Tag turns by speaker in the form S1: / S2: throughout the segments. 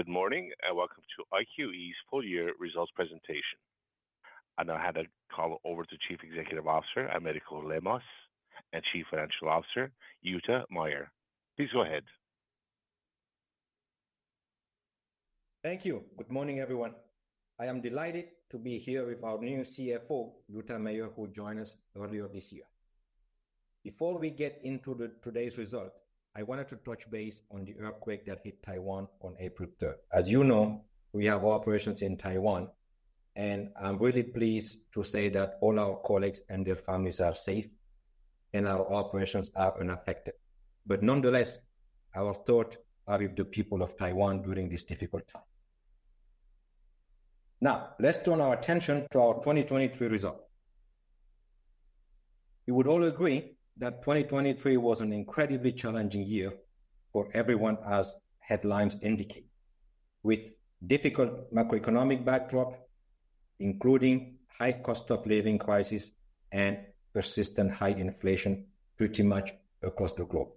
S1: Good morning and welcome to IQE's full-year results presentation. I now have the call over to Chief Executive Officer Americo Lemos and Chief Financial Officer Jutta Meier. Please go ahead.
S2: Thank you. Good morning, everyone. I am delighted to be here with our new CFO, Jutta Meier, who joined us earlier this year. Before we get into today's result, I wanted to touch base on the earthquake that hit Taiwan on April 3rd. As you know, we have operations in Taiwan, and I'm really pleased to say that all our colleagues and their families are safe and our operations are unaffected. But nonetheless, our thoughts are with the people of Taiwan during this difficult time. Now, let's turn our attention to our 2023 result. We would all agree that 2023 was an incredibly challenging year for everyone, as headlines indicate, with a difficult macroeconomic backdrop including a high cost-of-living crisis and persistent high inflation pretty much across the globe.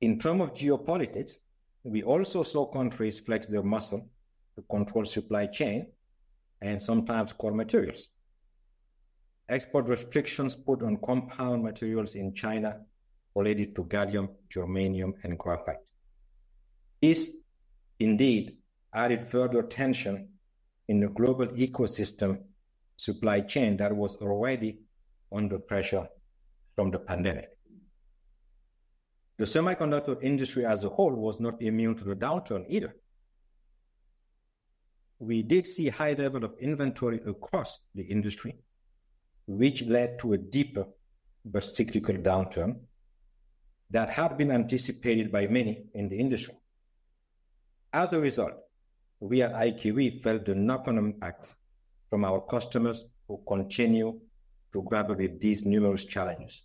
S2: In terms of geopolitics, we also saw countries flex their muscle to control supply chains and sometimes core materials. Export restrictions put on compound materials in China related to gallium, germanium, and graphite. This, indeed, added further tension in the global ecosystem supply chain that was already under pressure from the pandemic. The semiconductor industry as a whole was not immune to the downturn either. We did see high levels of inventory across the industry, which led to a deeper but cyclical downturn that had been anticipated by many in the industry. As a result, we at IQE felt the knock-on impact from our customers who continue to grapple with these numerous challenges.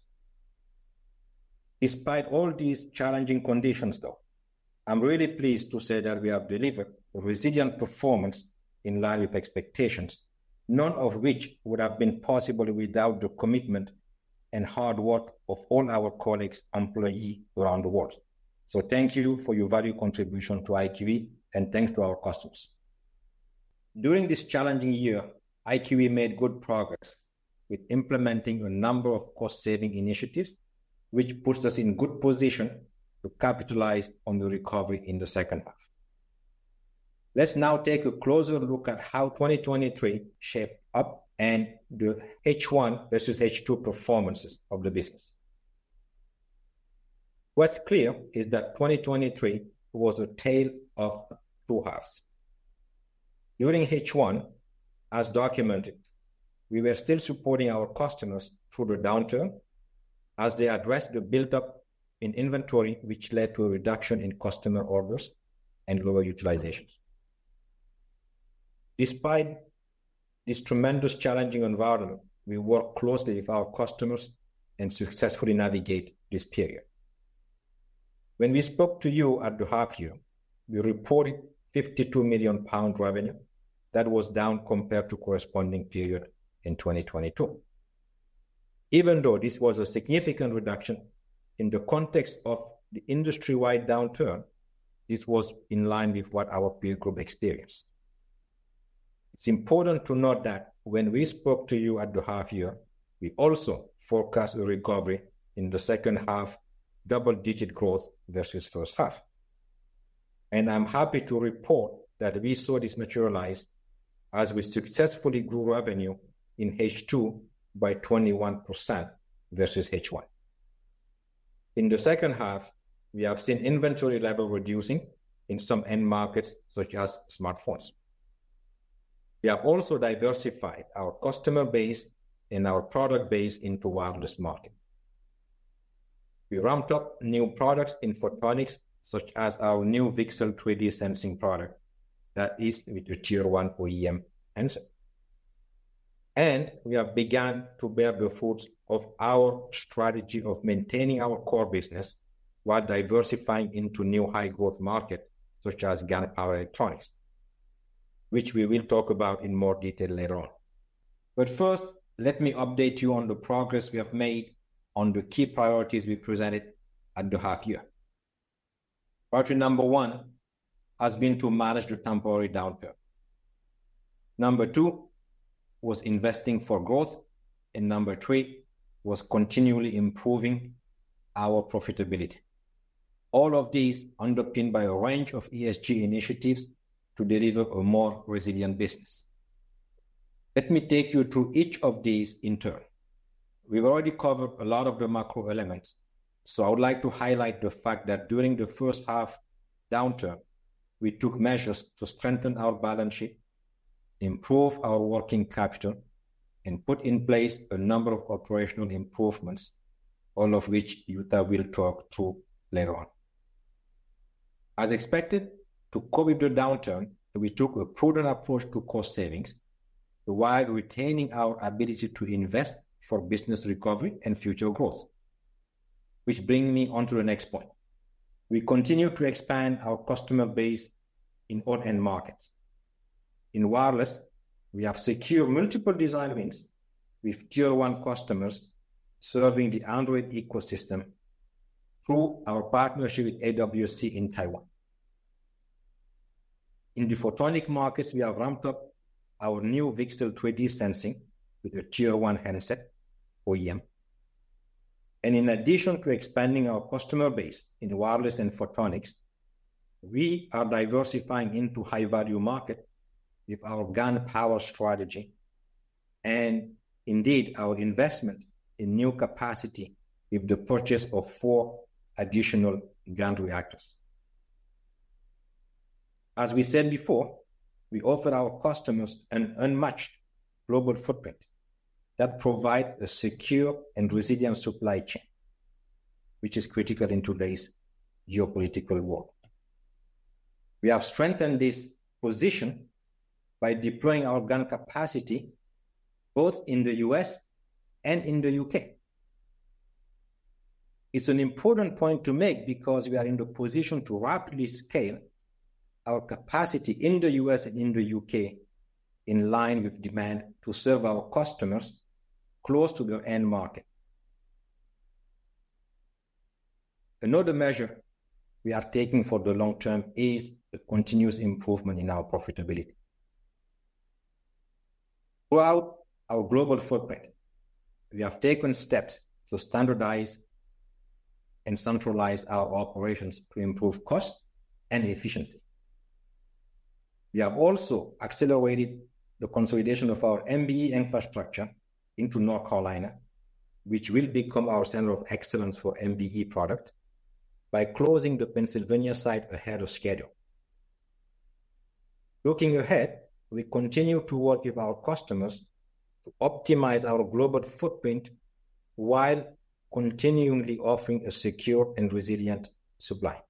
S2: Despite all these challenging conditions, though, I'm really pleased to say that we have delivered resilient performance in line with expectations, none of which would have been possible without the commitment and hard work of all our colleagues and employees around the world. Thank you for your valued contribution to IQE, and thanks to our customers. During this challenging year, IQE made good progress with implementing a number of cost-saving initiatives, which puts us in a good position to capitalize on the recovery in the second half. Let's now take a closer look at how 2023 shaped up and the H1 vs. H2 performances of the business. What's clear is that 2023 was a tale of two halves. During H1, as documented, we were still supporting our customers through the downturn as they addressed the buildup in inventory, which led to a reduction in customer orders and lower utilizations. Despite this tremendously challenging environment, we worked closely with our customers and successfully navigated this period. When we spoke to you at the half-year, we reported 52 million pound revenue that was down compared to the corresponding period in 2022. Even though this was a significant reduction, in the context of the industry-wide downturn, this was in line with what our peer group experienced. It's important to note that when we spoke to you at the half-year, we also forecast a recovery in the second half, double-digit growth vs. first half. I'm happy to report that we saw this materialize as we successfully grew revenue in H2 by 21% vs. H1. In the second half, we have seen inventory levels reducing in some end markets, such as smartphones. We have also diversified our customer base and our product base into the wireless market. We ramped up new products in photonics, such as our new VCSEL 3D sensing product that is with the Tier 1 OEM handset. We have begun to bear the fruits of our strategy of maintaining our core business while diversifying into new high-growth markets, such as GaN power electronics, which we will talk about in more detail later on. But first, let me update you on the progress we have made on the key priorities we presented at the half-year. Priority number one has been to manage the temporary downturn. Number two was investing for growth, and number three was continually improving our profitability, all of these underpinned by a range of ESG initiatives to deliver a more resilient business. Let me take you through each of these in turn. We've already covered a lot of the macro elements, so I would like to highlight the fact that during the first half downturn, we took measures to strengthen our balance sheet, improve our working capital, and put in place a number of operational improvements, all of which Jutta will talk to later on. As expected, to cope with the downturn, we took a prudent approach to cost savings while retaining our ability to invest for business recovery and future growth. Which brings me onto the next point: we continue to expand our customer base in all end markets. In wireless, we have secured multiple design wins with Tier 1 customers serving the Android ecosystem through our partnership with AWSC in Taiwan. In the photonic markets, we have ramped up our new VCSEL 3D sensing with a Tier 1 handset OEM. In addition to expanding our customer base in wireless and photonics, we are diversifying into high-value markets with our GaN power strategy and, indeed, our investment in new capacity with the purchase of four additional GaN reactors. As we said before, we offer our customers an unmatched global footprint that provides a secure and resilient supply chain, which is critical in today's geopolitical world. We have strengthened this position by deploying our GaN capacity both in the U.S. and in the U.K. It's an important point to make because we are in the position to rapidly scale our capacity in the U.S. and in the U.K. in line with demand to serve our customers close to their end markets. Another measure we are taking for the long term is a continuous improvement in our profitability. Throughout our global footprint, we have taken steps to standardize and centralize our operations to improve cost and efficiency. We have also accelerated the consolidation of our MBE infrastructure into North Carolina, which will become our Center of Excellence for MBE products, by closing the Pennsylvania site ahead of schedule. Looking ahead, we continue to work with our customers to optimize our global footprint while continually offering a secure and resilient supply.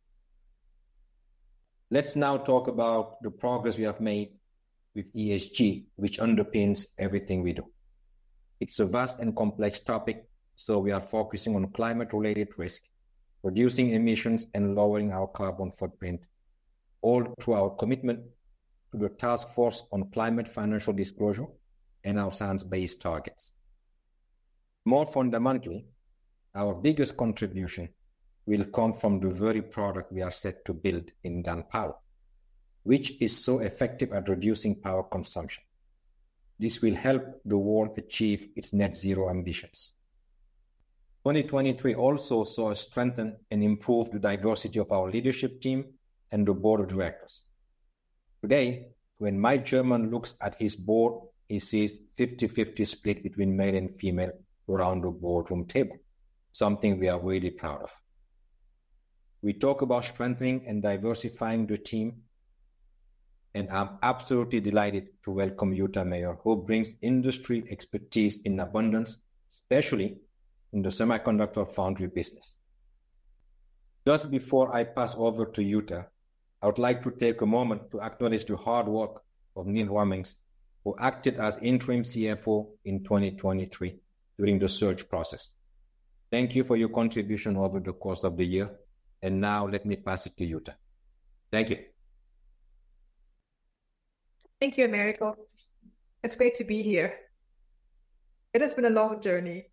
S2: Let's now talk about the progress we have made with ESG, which underpins everything we do. It's a vast and complex topic, so we are focusing on climate-related risks, reducing emissions, and lowering our carbon footprint, all through our commitment to the Task Force on Climate-related Financial Disclosures and our science-based targets. More fundamentally, our biggest contribution will come from the very product we are set to build in GaN power, which is so effective at reducing power consumption. This will help the world achieve its net-zero ambitions. 2023 also saw us strengthen and improve the diversity of our leadership team and the board of directors. Today, when my chairman looks at his board, he sees a 50/50 split between male and female around the boardroom table, something we are really proud of. We talk about strengthening and diversifying the team, and I'm absolutely delighted to welcome Jutta Meier, who brings industry expertise in abundance, especially in the semiconductor foundry business. Just before I pass over to Jutta, I would like to take a moment to acknowledge the hard work of Neil Rummings, who acted as interim CFO in 2023 during the search process. Thank you for your contribution over the course of the year, and now let me pass it to Jutta. Thank you.
S3: Thank you, Americo. It's great to be here. It has been a long journey,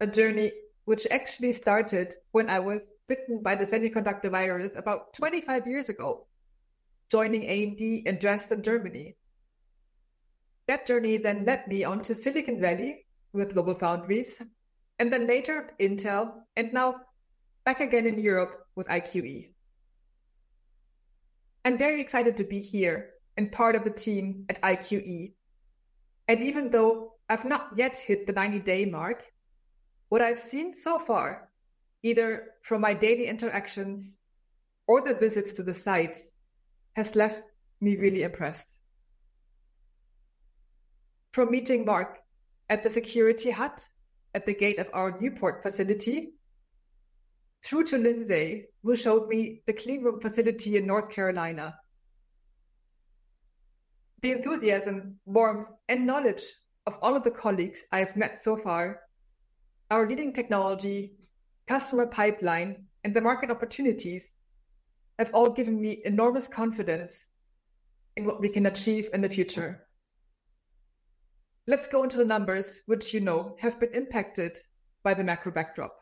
S3: a journey which actually started when I was bitten by the semiconductor virus about 25 years ago, joining AMD in Dresden, Germany. That journey then led me onto Silicon Valley with GlobalFoundries, and then later Intel, and now back again in Europe with IQE. I'm very excited to be here and part of the team at IQE. And even though I've not yet hit the 90-day mark, what I've seen so far, either from my daily interactions or the visits to the sites, has left me really impressed. From meeting Mark at the security hut at the gate of our Newport facility, through to Lindsay, who showed me the clean room facility in North Carolina, the enthusiasm, warmth, and knowledge of all of the colleagues I have met so far, our leading technology, customer pipeline, and the market opportunities have all given me enormous confidence in what we can achieve in the future. Let's go into the numbers, which you know have been impacted by the macro backdrop.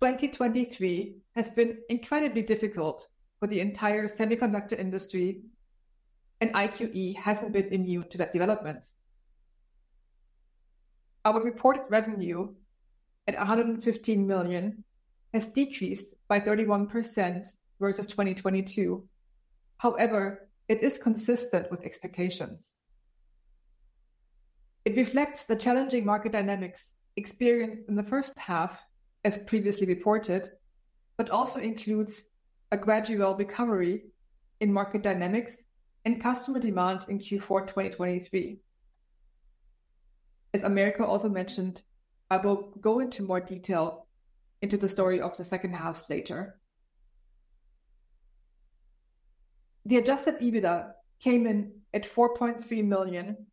S3: 2023 has been incredibly difficult for the entire semiconductor industry, and IQE hasn't been immune to that development. Our reported revenue at 115 million has decreased by 31% vs. 2022. However, it is consistent with expectations. It reflects the challenging market dynamics experienced in the first half, as previously reported, but also includes a gradual recovery in market dynamics and customer demand in Q4 2023. As Americo also mentioned, I will go into more detail into the story of the second half later. The adjusted EBITDA came in at 4.3 million,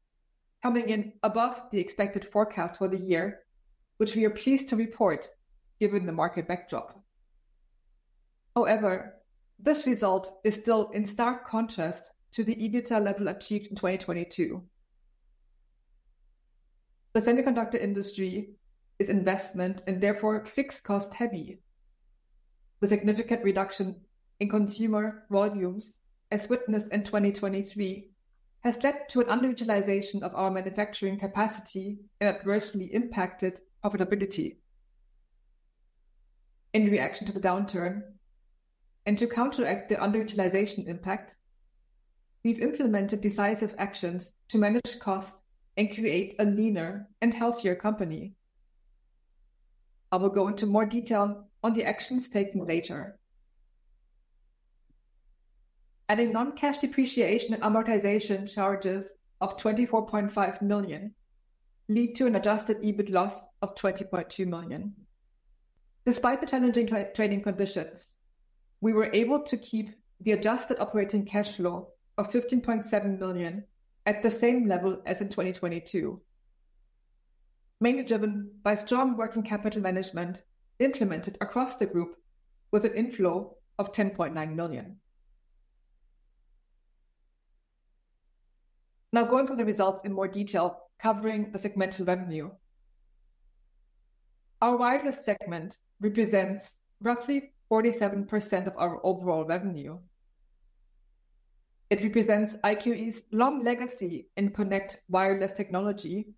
S3: coming in above the expected forecast for the year, which we are pleased to report given the market backdrop. However, this result is still in stark contrast to the EBITDA level achieved in 2022. The semiconductor industry is investment and therefore fixed-cost heavy. The significant reduction in consumer volumes, as witnessed in 2023, has led to an underutilization of our manufacturing capacity and adversely impacted profitability. In reaction to the downturn and to counteract the underutilization impact, we've implemented decisive actions to manage costs and create a leaner and healthier company. I will go into more detail on the actions taken later. A non-cash depreciation and amortization charges of 24.5 million lead to an adjusted EBIT loss of 20.2 million. Despite the challenging trading conditions, we were able to keep the adjusted operating cash flow of 15.7 million at the same level as in 2022, mainly driven by strong working capital management implemented across the group with an inflow of 10.9 million. Now going through the results in more detail, covering the segmental revenue. Our wireless segment represents roughly 47% of our overall revenue. It represents IQE's long legacy in connected wireless technology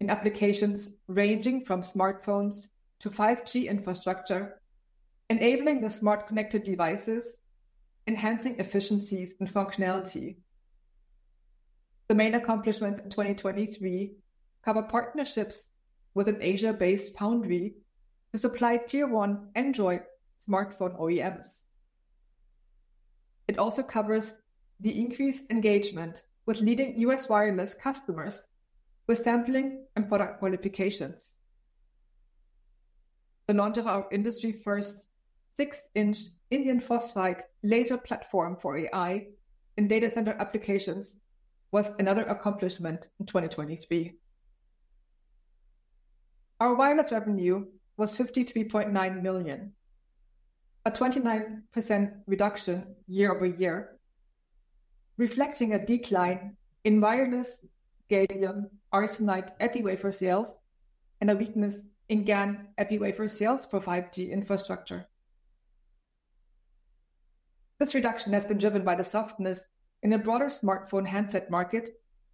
S3: in applications ranging from smartphones to 5G infrastructure, enabling the smart connected devices, enhancing efficiencies and functionality. The main accomplishments in 2023 cover partnerships with an Asia-based foundry to supply Tier 1 Android smartphone OEMs. It also covers the increased engagement with leading U.S. wireless customers with sampling and product qualifications. The launch of our industry-first 6-inch indium phosphide laser platform for AI in data center applications was another accomplishment in 2023. Our wireless revenue was 53.9 million, a 29% reduction year over year, reflecting a decline in wireless gallium-arsenide epiwafer sales and a weakness in GaN epiwafer sales for 5G infrastructure. This reduction has been driven by the softness in the broader smartphone handset market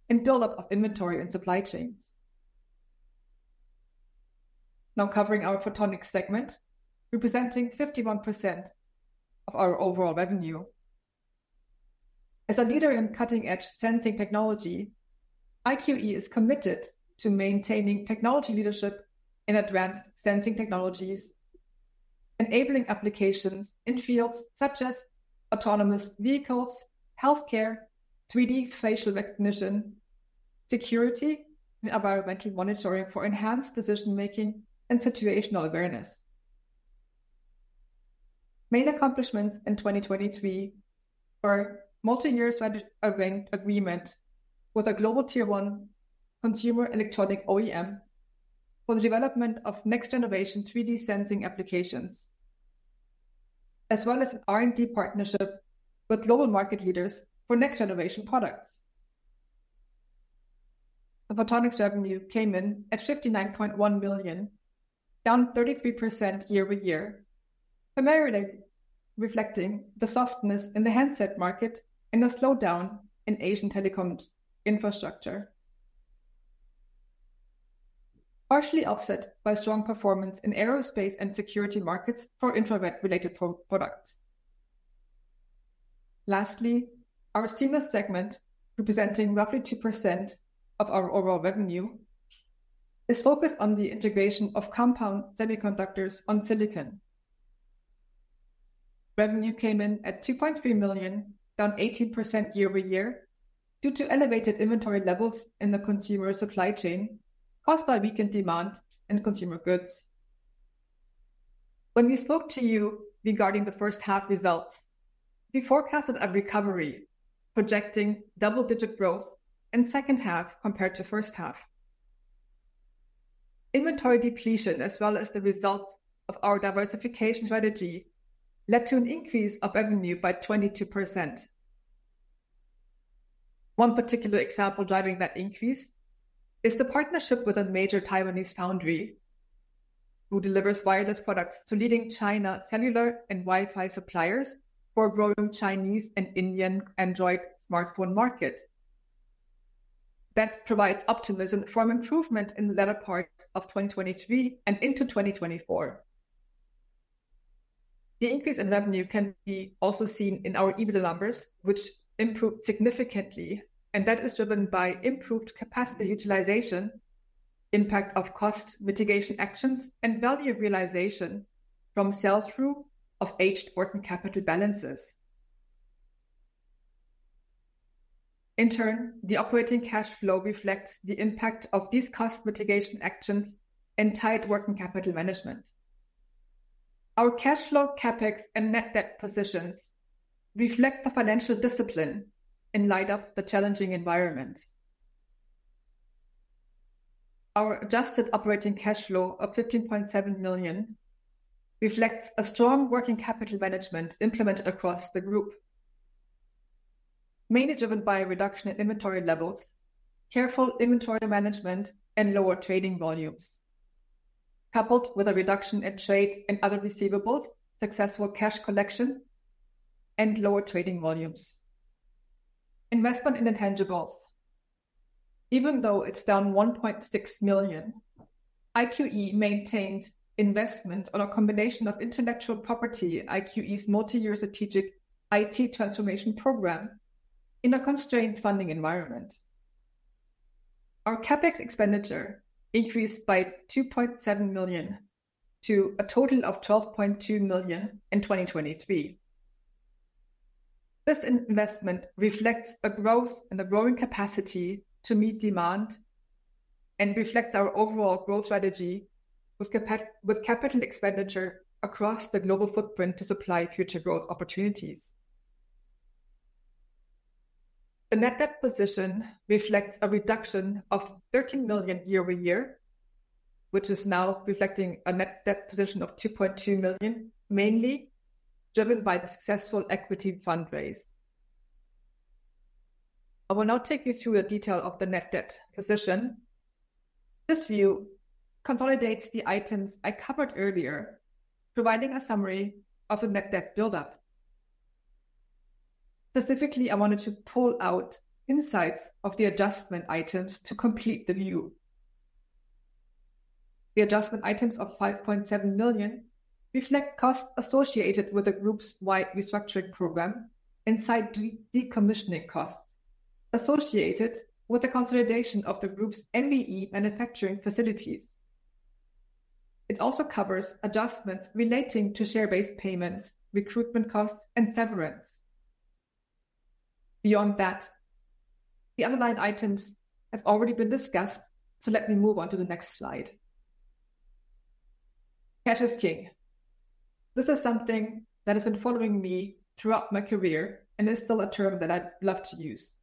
S3: and buildup of inventory and supply chains. Now covering our photonics segment, representing 51% of our overall revenue. As a leader in cutting-edge sensing technology, IQE is committed to maintaining technology leadership in advanced sensing technologies, enabling applications in fields such as autonomous vehicles, healthcare, 3D facial recognition, security, and environmental monitoring for enhanced decision-making and situational awareness. Main accomplishments in 2023 were multi-year agreement with a global Tier 1 consumer electronic OEM for the development of next-generation 3D sensing applications, as well as an R&D partnership with global market leaders for next-generation products. The photonics revenue came in at 59.1 million, down 33% year-over-year, primarily reflecting the softness in the handset market and the slowdown in Asian telecom infrastructure, partially offset by strong performance in aerospace and security markets for infrared-related products. Lastly, our CMS segment, representing roughly 2% of our overall revenue, is focused on the integration of compound semiconductors on silicon. Revenue came in at 2.3 million, down 18% year-over-year due to elevated inventory levels in the consumer supply chain caused by weakened demand and consumer goods. When we spoke to you regarding the first half results, we forecasted a recovery, projecting double-digit growth in second half compared to first half. Inventory depletion, as well as the results of our diversification strategy, led to an increase of revenue by 22%. One particular example driving that increase is the partnership with a major Taiwanese foundry who delivers wireless products to leading China cellular and Wi-Fi suppliers for a growing Chinese and Indian Android smartphone market. That provides optimism for an improvement in the latter part of 2023 and into 2024. The increase in revenue can be also seen in our EBITDA numbers, which improved significantly, and that is driven by improved capacity utilization, impact of cost mitigation actions, and value realization from sales through of aged working capital balances. In turn, the operating cash flow reflects the impact of these cost mitigation actions and tight working capital management. Our cash flow capex and net debt positions reflect the financial discipline in light of the challenging environment. Our adjusted operating cash flow of 15.7 million reflects a strong working capital management implemented across the group, mainly driven by a reduction in inventory levels, careful inventory management, and lower trading volumes, coupled with a reduction in trade and other receivables, successful cash collection, and lower trading volumes. Investment in intangibles: even though it's down 1.6 million, IQE maintained investment on a combination of intellectual property, IQE's multi-year strategic IT transformation program, in a constrained funding environment. Our CapEx expenditure increased by 2.7 million to a total of 12.2 million in 2023. This investment reflects a growth and a growing capacity to meet demand and reflects our overall growth strategy with capital expenditure across the global footprint to supply future growth opportunities. The net debt position reflects a reduction of 13 million year-over-year, which is now reflecting a net debt position of 2.2 million, mainly driven by the successful equity fundraise. I will now take you through the detail of the net debt position. This view consolidates the items I covered earlier, providing a summary of the net debt buildup. Specifically, I wanted to pull out insights of the adjustment items to complete the view. The adjustment items of 5.7 million reflect costs associated with the group-wide restructuring program and site decommissioning costs associated with the consolidation of the group's MBE manufacturing facilities. It also covers adjustments relating to share-based payments, recruitment costs, and severance. Beyond that, the underlying items have already been discussed, so let me move on to the next slide. Cash is king. This is something that has been following me throughout my career and is still a term that I love to use.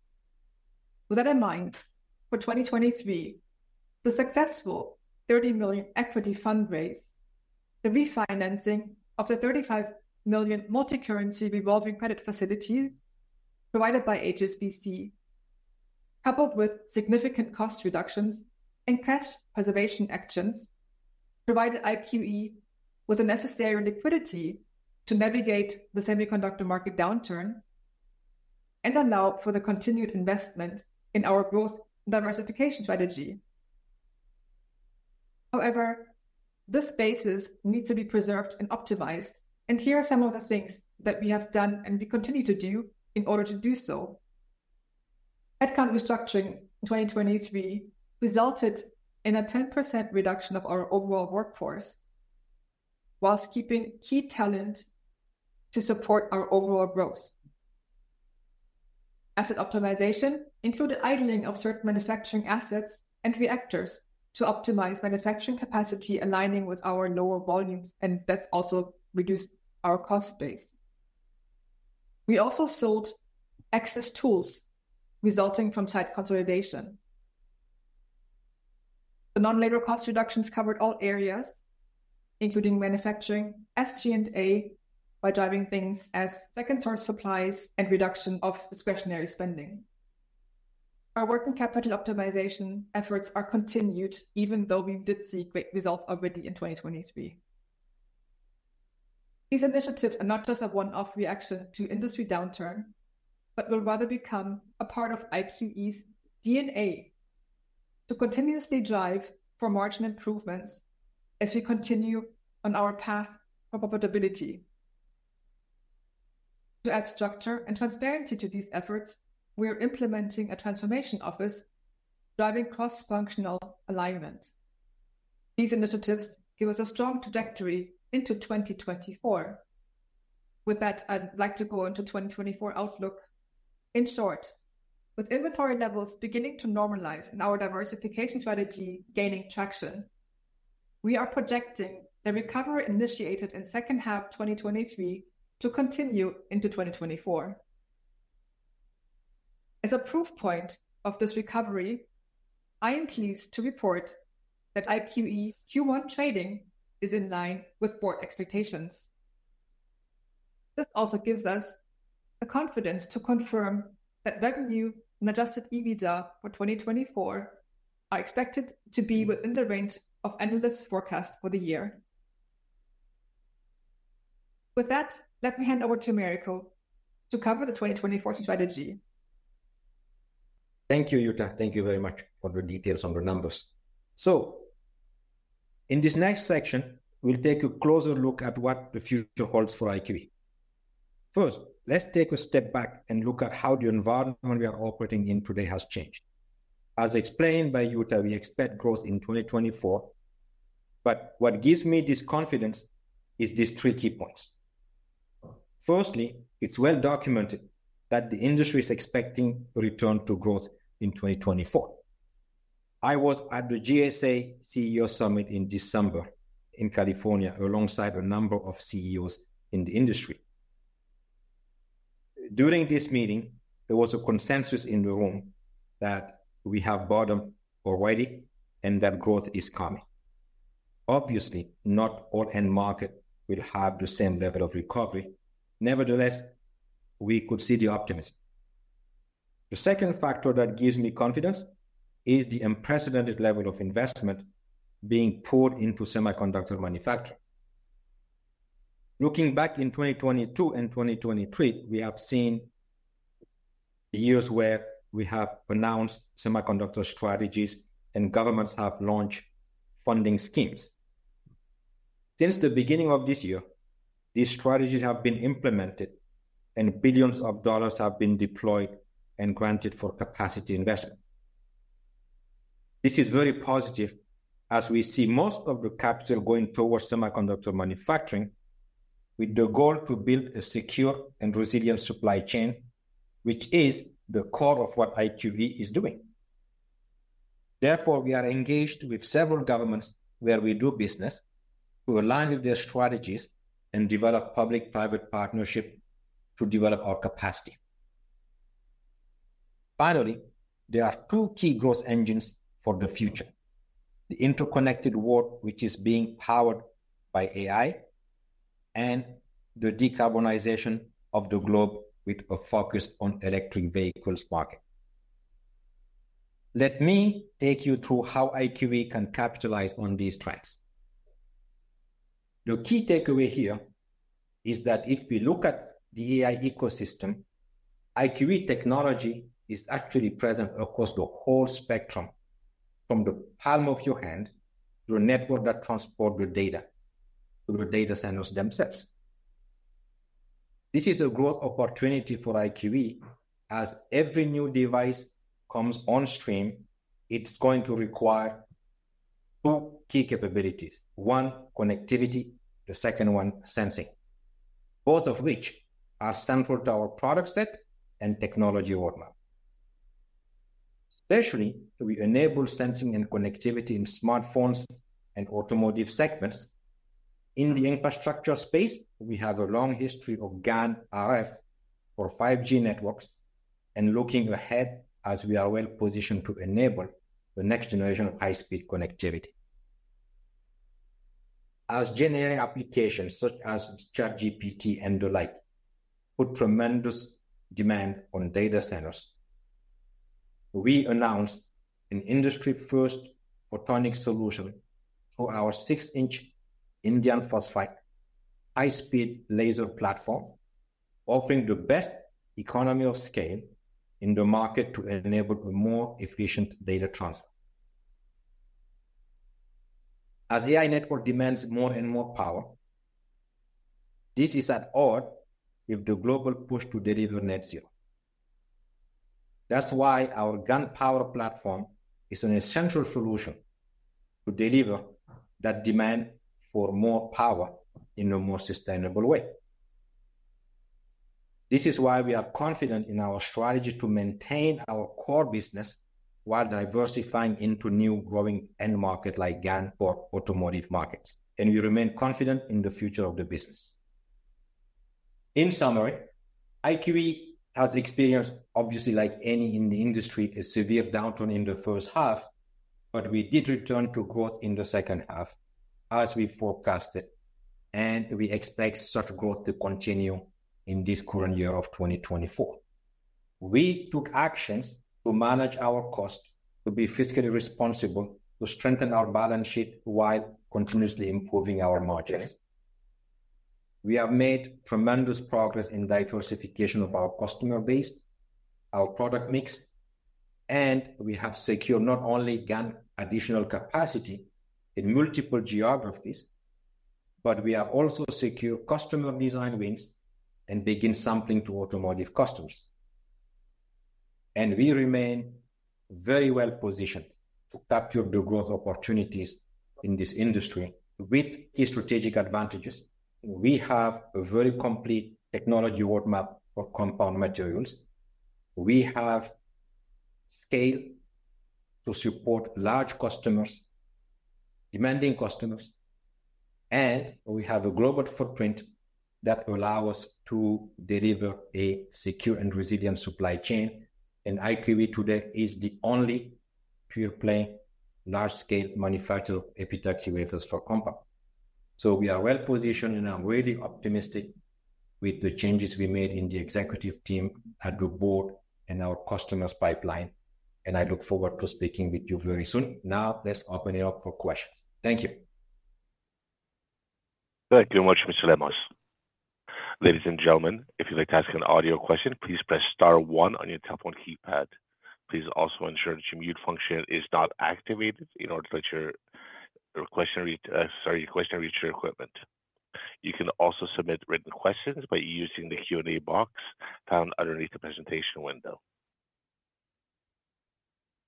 S3: With that in mind, for 2023, the successful 30 million equity fundraise, the refinancing of the 35 million multicurrency revolving credit facilities provided by HSBC, coupled with significant cost reductions and cash preservation actions, provided IQE with the necessary liquidity to navigate the semiconductor market downturn and allow for the continued investment in our growth diversification strategy. However, this basis needs to be preserved and optimized, and here are some of the things that we have done and we continue to do in order to do so. Headcount restructuring in 2023 resulted in a 10% reduction of our overall workforce while keeping key talent to support our overall growth. Asset optimization included idling of certain manufacturing assets and reactors to optimize manufacturing capacity, aligning with our lower volumes, and that's also reduced our cost base. We also sold excess tools resulting from site consolidation. The non-labor cost reductions covered all areas, including manufacturing SG&A, by driving things as second source supplies and reduction of discretionary spending. Our working capital optimization efforts are continued even though we did see great results already in 2023. These initiatives are not just a one-off reaction to industry downturn but will rather become a part of IQE's DNA to continuously drive for margin improvements as we continue on our path for profitability. To add structure and transparency to these efforts, we are implementing a transformation office driving cross-functional alignment. These initiatives give us a strong trajectory into 2024. With that, I'd like to go into 2024 outlook. In short, with inventory levels beginning to normalize and our diversification strategy gaining traction, we are projecting the recovery initiated in second half 2023 to continue into 2024. As a proof point of this recovery, I am pleased to report that IQE's Q1 trading is in line with board expectations. This also gives us the confidence to confirm that revenue and adjusted EBITDA for 2024 are expected to be within the range of analysts' forecasts for the year. With that, let me hand over to Americo to cover the 2024 strategy.
S2: Thank you, Jutta. Thank you very much for the details on the numbers. So in this next section, we'll take a closer look at what the future holds for IQE. First, let's take a step back and look at how the environment we are operating in today has changed. As explained by Jutta, we expect growth in 2024, but what gives me this confidence is these three key points. Firstly, it's well documented that the industry is expecting a return to growth in 2024. I was at the GSA CEO Summit in December in California alongside a number of CEOs in the industry. During this meeting, there was a consensus in the room that we have bottom already and that growth is coming. Obviously, not all end markets will have the same level of recovery. Nevertheless, we could see the optimism. The second factor that gives me confidence is the unprecedented level of investment being poured into semiconductor manufacturing. Looking back in 2022 and 2023, we have seen years where we have announced semiconductor strategies and governments have launched funding schemes. Since the beginning of this year, these strategies have been implemented and $ billions have been deployed and granted for capacity investment. This is very positive as we see most of the capital going towards semiconductor manufacturing with the goal to build a secure and resilient supply chain, which is the core of what IQE is doing. Therefore, we are engaged with several governments where we do business who align with their strategies and develop public-private partnerships to develop our capacity. Finally, there are two key growth engines for the future: the interconnected world, which is being powered by AI, and the decarbonization of the globe with a focus on the electric vehicles market. Let me take you through how IQE can capitalize on these trends. The key takeaway here is that if we look at the AI ecosystem, IQE technology is actually present across the whole spectrum, from the palm of your hand to the network that transports the data to the data centers themselves. This is a growth opportunity for IQE as every new device comes onstream, it's going to require two key capabilities: one, connectivity, the second one, sensing, both of which are central to our product set and technology roadmap. Especially to enable sensing and connectivity in smartphones and automotive segments, in the infrastructure space, we have a long history of GaN/RF for 5G networks and looking ahead as we are well positioned to enable the next generation of high-speed connectivity. As generative applications such as ChatGPT and the like put tremendous demand on data centers, we announced an industry-first photonic solution for our 6-inch indium phosphide high-speed laser platform, offering the best economy of scale in the market to enable more efficient data transfer. As AI network demands more and more power, this is at odds with the global push to deliver net zero. That's why our GaN power platform is an essential solution to deliver that demand for more power in a more sustainable way. This is why we are confident in our strategy to maintain our core business while diversifying into new growing end markets like GaN for automotive markets, and we remain confident in the future of the business. In summary, IQE has experienced, obviously like any in the industry, a severe downturn in the first half, but we did return to growth in the second half as we forecasted, and we expect such growth to continue in this current year of 2024. We took actions to manage our costs to be fiscally responsible, to strengthen our balance sheet while continuously improving our margins. We have made tremendous progress in diversification of our customer base, our product mix, and we have secured not only GaN additional capacity in multiple geographies, but we have also secured customer design wins and begin sampling to automotive customers. We remain very well positioned to capture the growth opportunities in this industry with key strategic advantages. We have a very complete technology roadmap for compound materials. We have scale to support large customers, demanding customers, and we have a global footprint that allows us to deliver a secure and resilient supply chain, and IQE today is the only pure-play large-scale manufacturer of epitaxy wafers for compound. We are well positioned and I'm really optimistic with the changes we made in the executive team at the board and our customers pipeline, and I look forward to speaking with you very soon. Now, let's open it up for questions. Thank you.
S1: Thank you very much, Mr. Lemos. Ladies and gentlemen, if you'd like to ask an audio question, please press star one on your telephone keypad. Please also ensure that your mute function is not activated in order to let your question reach your equipment. You can also submit written questions by using the Q&A box found underneath the presentation window.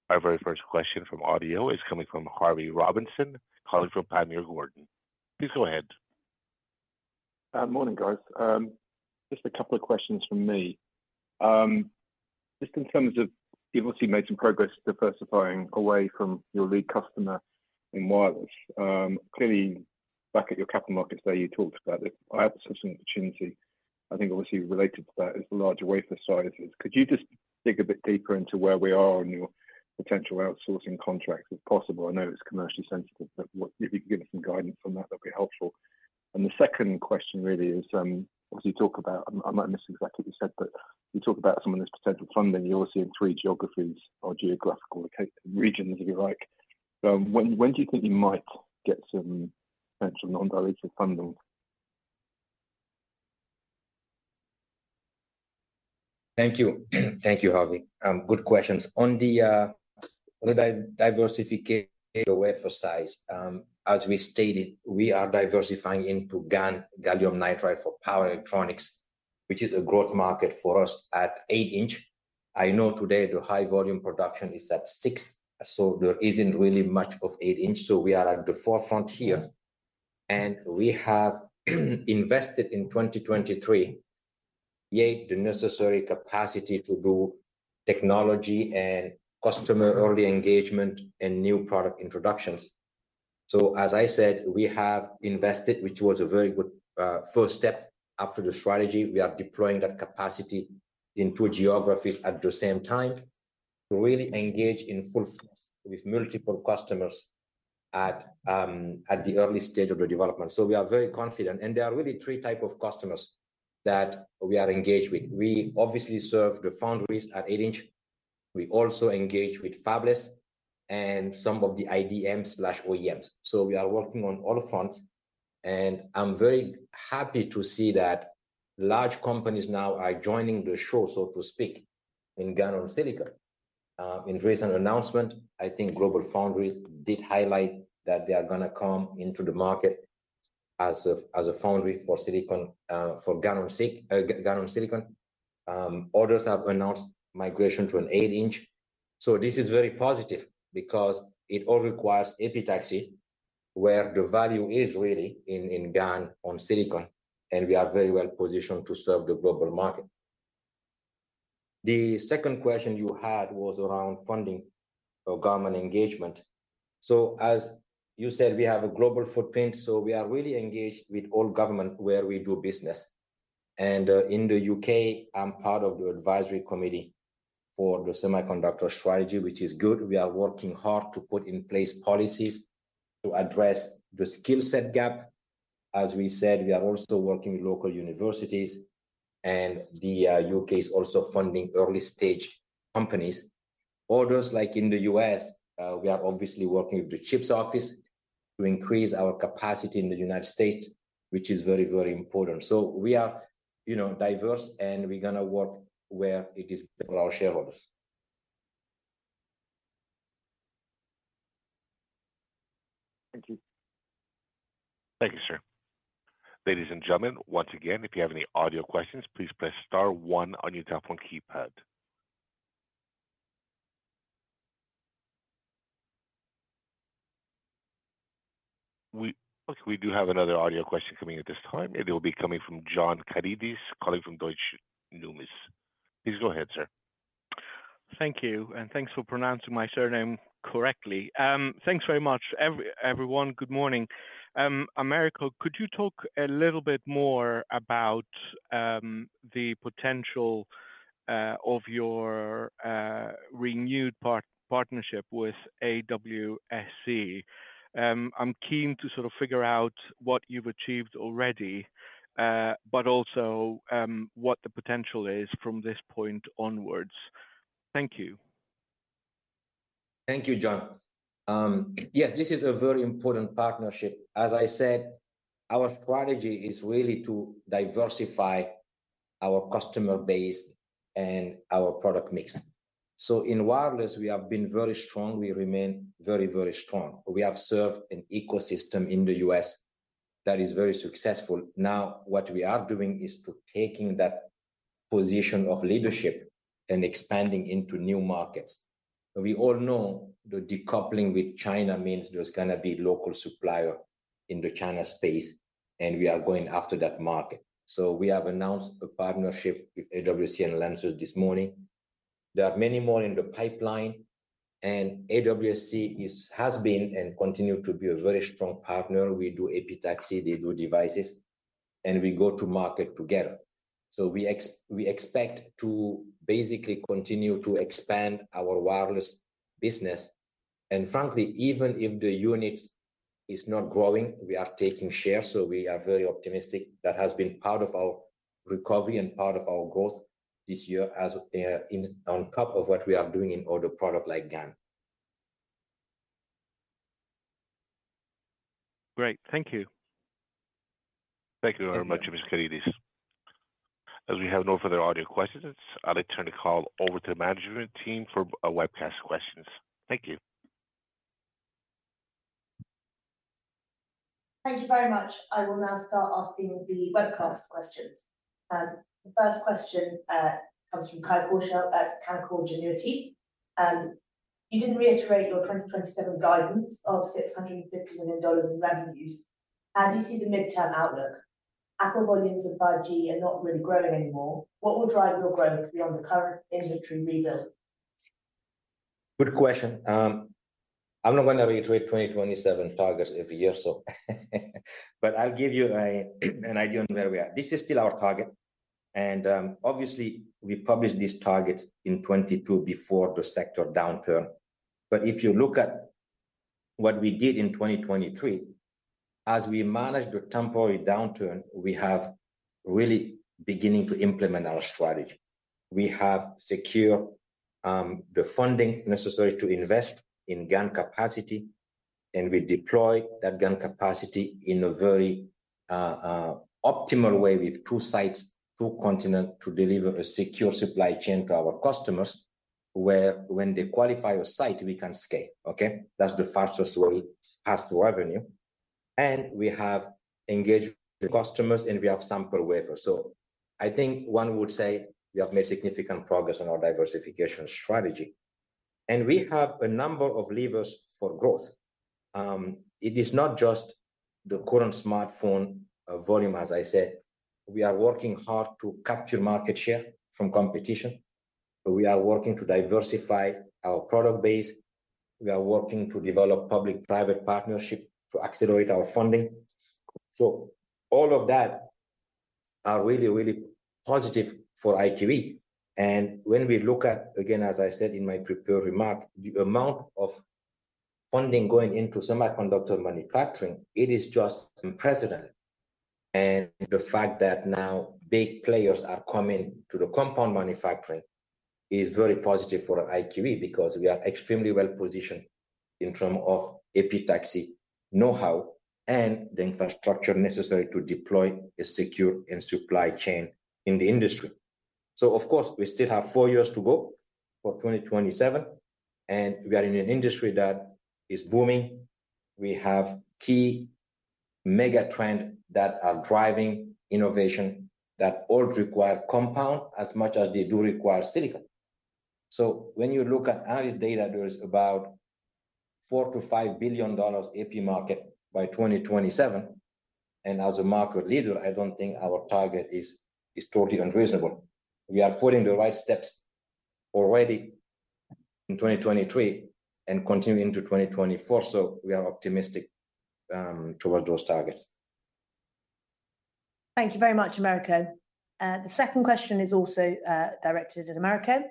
S1: Our very first question from audio is coming from Harvey Robinson calling from Panmure Gordon. Please go ahead.
S4: Morning, guys. Just a couple of questions from me. Just in terms of, you've obviously made some progress diversifying away from your lead customer in wireless. Clearly, back at your capital markets day you talked about it. I had such an opportunity, I think obviously related to that, is the larger wafer sizes. Could you just dig a bit deeper into where we are on your potential outsourcing contracts if possible? I know it's commercially sensitive, but if you could give me some guidance on that, that'd be helpful. And the second question really is, as you talk about, I might have missed exactly what you said, but you talk about some of this potential funding you obviously in three geographies or geographical regions, if you like. When do you think you might get some potential non-directed funding?
S2: Thank you. Thank you, Harvey. Good questions. On the diversification of wafer size, as we stated, we are diversifying into GaN/Gallium Nitride for power electronics, which is a growth market for us at 8-inch. I know today the high-volume production is at six, so there isn't really much of 8-inch, so we are at the forefront here. And we have invested in 2023, yet the necessary capacity to do technology and customer early engagement and new product introductions. So as I said, we have invested, which was a very good first step after the strategy. We are deploying that capacity into geographies at the same time to really engage in full force with multiple customers at the early stage of the development. So we are very confident. And there are really three types of customers that we are engaged with. We obviously serve the foundries at 8-inch. We also engage with fabless and some of the IDM/OEMs. So we are working on all fronts. And I'm very happy to see that large companies now are joining the show, so to speak, in GaN on silicon. In recent announcements, I think GlobalFoundries did highlight that they are going to come into the market as a foundry for GaN on silicon. Others have announced migration to an 8-inch. So this is very positive because it all requires epitaxy, where the value is really in GaN on silicon, and we are very well positioned to serve the global market. The second question you had was around funding or government engagement. So as you said, we have a global footprint, so we are really engaged with all governments where we do business. And in the U.K., I'm part of the advisory committee for the semiconductor strategy, which is good. We are working hard to put in place policies to address the skill set gap. As we said, we are also working with local universities, and the U.K. is also funding early-stage companies. Others, like in the U.S., we are obviously working with the CHIPS office to increase our capacity in the United States, which is very, very important. So we are diverse and we're going to work where it is good for our shareholders.
S4: Thank you.
S1: Thank you, sir. Ladies and gentlemen, once again, if you have any audio questions, please press star one on your telephone keypad. Okay, we do have another audio question coming in at this time. It will be coming from John Karidis calling from Deutsche Numis. Please go ahead, sir.
S5: Thank you. And thanks for pronouncing my surname correctly. Thanks very much, everyone. Good morning. Americo, could you talk a little bit more about the potential of your renewed partnership with AWSC? I'm keen to sort of figure out what you've achieved already, but also what the potential is from this point onwards. Thank you.
S2: Thank you, John. Yes, this is a very important partnership. As I said, our strategy is really to diversify our customer base and our product mix. So in wireless, we have been very strong. We remain very, very strong. We have served an ecosystem in the U.S. that is very successful. Now, what we are doing is taking that position of leadership and expanding into new markets. We all know the decoupling with China means there's going to be local supplier in the China space, and we are going after that market. So we have announced a partnership with AWSC and Lumentum this morning. There are many more in the pipeline, and AWSC has been and continues to be a very strong partner. We do epitaxy. They do devices. And we go to market together. So we expect to basically continue to expand our wireless business. Frankly, even if the unit is not growing, we are taking shares, so we are very optimistic. That has been part of our recovery and part of our growth this year on top of what we are doing in other products like GaN.
S5: Great. Thank you.
S1: Thank you very much, Mr. Karidis. As we have no further audio questions, I'll return the call over to the management team for webcast questions. Thank you.
S6: Thank you very much. I will now start asking the webcast questions. The first question comes from Kalko Janiwati. You didn't reiterate your 2027 guidance of GBP 650 million in revenues. How do you see the midterm outlook? Apple volumes of 5G are not really growing anymore. What will drive your growth beyond the current inventory rebuild?
S2: Good question. I'm not going to reiterate 2027 targets every year, so. But I'll give you an idea on where we are. This is still our target. And obviously, we published these targets in 2022 before the sector downturn. But if you look at what we did in 2023, as we managed the temporary downturn, we have really begun to implement our strategy. We have secured the funding necessary to invest in GaN capacity, and we deploy that GaN capacity in a very optimal way with two sites, two continents, to deliver a secure supply chain to our customers where when they qualify a site, we can scale, okay? That's the fastest way past revenue. And we have engaged with customers and we have sampled wafers. So I think one would say we have made significant progress on our diversification strategy. And we have a number of levers for growth. It is not just the current smartphone volume, as I said. We are working hard to capture market share from competition. We are working to diversify our product base. We are working to develop public-private partnerships to accelerate our funding. So all of that are really, really positive for IQE. And when we look at, again, as I said in my prepared remark, the amount of funding going into semiconductor manufacturing, it is just unprecedented. And the fact that now big players are coming to the compound manufacturing is very positive for IQE because we are extremely well positioned in terms of epitaxy know-how and the infrastructure necessary to deploy a secure supply chain in the industry. So of course, we still have four years to go for 2027, and we are in an industry that is booming. We have key mega trends that are driving innovation that all require compound as much as they do require silicon. So when you look at analyst data, there is about $4 billion-$5 billion epi market by 2027. And as a market leader, I don't think our target is totally unreasonable. We are putting the right steps already in 2023 and continue into 2024, so we are optimistic towards those targets.
S6: Thank you very much, Americo. The second question is also directed at Americo.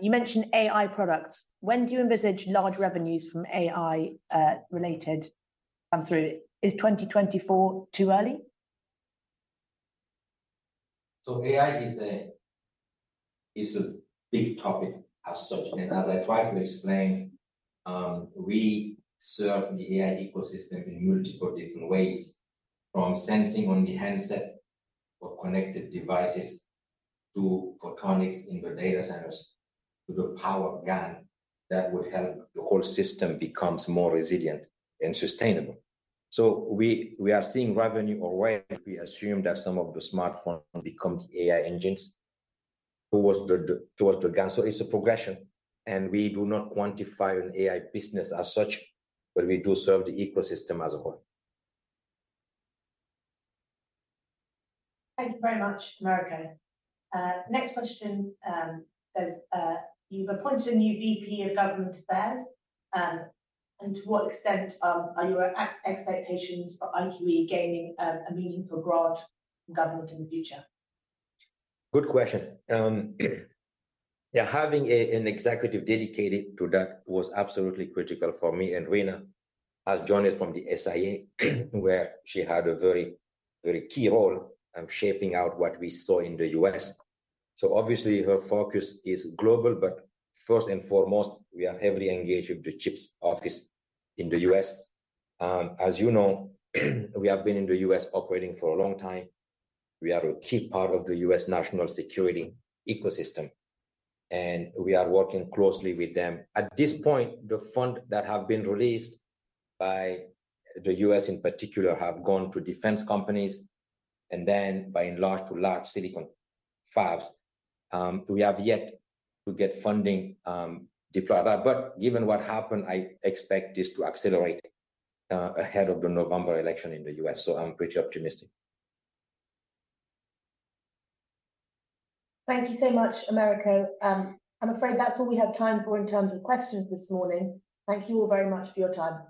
S6: You mentioned AI products. When do you envisage large revenues from AI-related come through? Is 2024 too early?
S2: AI is a big topic as such. As I tried to explain, we serve the AI ecosystem in multiple different ways, from sensing on the handset or connected devices to photonics in the data centers to the power GaN that would help the whole system become more resilient and sustainable. We are seeing revenue away if we assume that some of the smartphones become the AI engines towards the GaN. It's a progression. We do not quantify an AI business as such, but we do serve the ecosystem as a whole.
S6: Thank you very much, Americo. Next question. You've appointed a new VP of Government Affairs. To what extent are your expectations for IQE gaining a meaningful grant from government in the future?
S2: Good question. Yeah, having an executive dedicated to that was absolutely critical for me. Rina has joined us from the SIA, where she had a very, very key role shaping out what we saw in the U.S. Obviously, her focus is global, but first and foremost, we are heavily engaged with the CHIPS office in the U.S. As you know, we have been in the U.S. operating for a long time. We are a key part of the U.S. national security ecosystem. We are working closely with them. At this point, the funds that have been released by the U.S. in particular have gone to defense companies and then by and large to large silicon fabs. We have yet to get funding deployed. Given what happened, I expect this to accelerate ahead of the November election in the U.S. I'm pretty optimistic.
S6: Thank you so much, Americo. I'm afraid that's all we have time for in terms of questions this morning. Thank you all very much for your time.